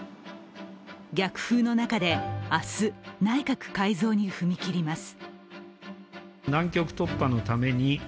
逆風の中で明日、内閣改造に踏み切ります。